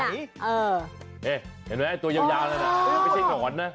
เห็นไหมตัวยาวต่อนะไม่ใช่ขน